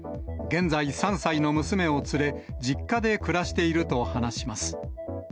現在３歳の娘を連れ、実家で暮らしていると話します。